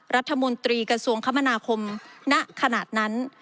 รัฐมนตรีกระทรวงคมนาคมณขนาดนั้น